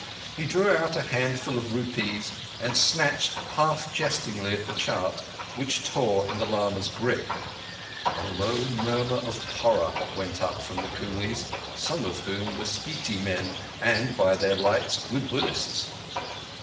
He drew out a handful of rupees, and snatched half jestingly at the chart, which tore in the lama's grip. A low murmur of horror went up from the coolies—some of whom were Spiti men and, by their lights, good Buddhists.